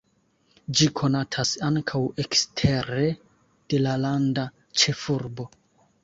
Ĝi konatas ankaŭ ekstere de la landa ĉefurbo.